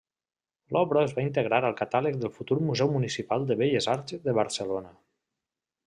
L'obra es va integrar al catàleg del futur Museu Municipal de Belles Arts de Barcelona.